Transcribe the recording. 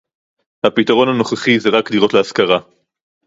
הפתרון הנוכחי זה רק דירות להשכרה